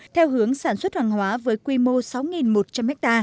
theo hướng sản xuất hoàng hóa với quy mô sáu một trăm linh ha